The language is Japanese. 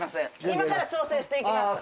今から調整していきます。